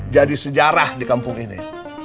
jadi sejarah di kampung ini